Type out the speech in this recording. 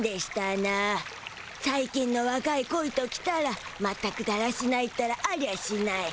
さい近のわかいコイときたらまったくだらしないったらありゃしない。